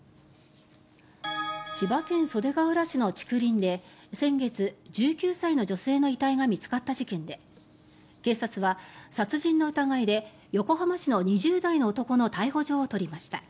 千葉県袖ケ浦市の竹林で先月１９歳の女性の遺体が見つかった事件で警察は殺人の疑いで横浜市の２０代の男の逮捕状を取りました。